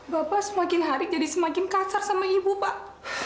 bapak semakin hari jadi semakin kasar sama ibu pak